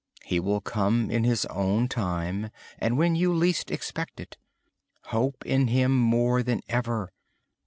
He will come in His own time, and when you least expect it. Hope in Him more than ever.